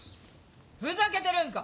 ふざけてるんか！